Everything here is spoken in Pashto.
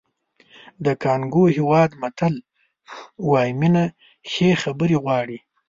د کانګو هېواد متل وایي مینه ښې خبرې غواړي.